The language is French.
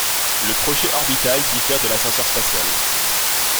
Le crochet orbital diffère de l'ascenseur spatial.